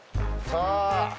さあ。